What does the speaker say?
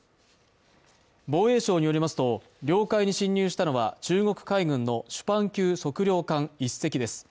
防衛省によりますと、領海に侵入したのは中国海軍のシュパン級測量艦１隻です。